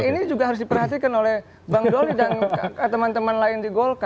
yang diperhasilkan oleh bang dolly dan teman teman lain di golkar